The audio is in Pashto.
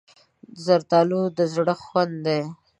زردالو د زړه خوند دی.